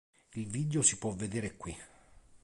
Il video si può vedere qui.